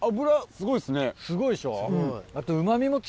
すごいでしょあと。